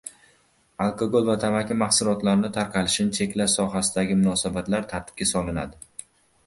Alkogol va tamaki mahsulotlarining tarqatilishini cheklash sohasidagi munosabatlar tartibga solinadi